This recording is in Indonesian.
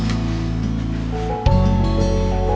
sampai jumpa lagi